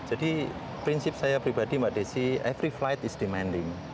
jadi prinsip saya pribadi mbak desi every flight is demanding